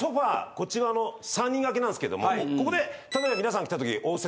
こっち側の３人掛けなんですけどもここで例えば皆さん来たとき応接